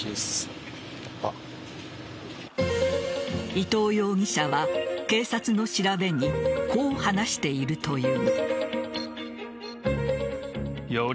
伊藤容疑者は警察の調べにこう話しているという。